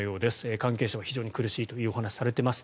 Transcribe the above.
関係者は非常に苦しいというお話をされています。